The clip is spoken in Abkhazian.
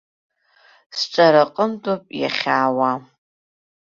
Сҿараҟынтәоуп иахьаауа.